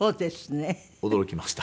驚きました。